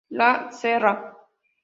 La Sra.